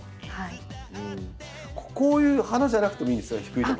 こういう花じゃなくてもいいんですよね低い所。